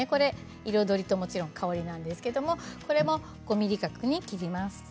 彩りと、もちろん香りなんですけど５ｍｍ角に切ります。